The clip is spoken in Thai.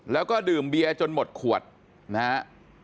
แล้วก็ดื่มเบียร์จนหมดขวดนะฮะ